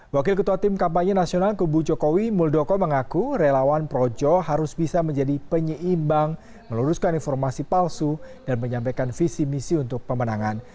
wakil ketua tim kampanye nasional kubu jokowi muldoko mengaku relawan projo harus bisa menjadi penyeimbang meluruskan informasi palsu dan menyampaikan visi misi untuk pemenangan